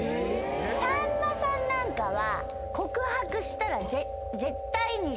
さんまさんなんかは。